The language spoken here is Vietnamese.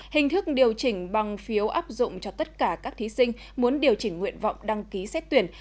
hình thức điều chỉnh bằng phiếu áp dụng cho tất cả các thí sinh muốn điều chỉnh nguyện vọng đăng ký xét tuyển